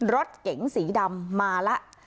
รถเก๋งสีดำมาแล้ว